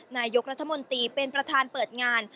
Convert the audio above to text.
นายกรัฐมนตรีเป็นประธานเปิดงาน